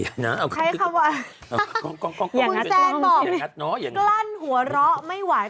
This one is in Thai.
คุณแซนบอกกลั้นหัวเราะไม่ไหว